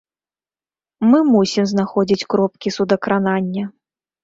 Мы мусім знаходзіць кропкі судакранання.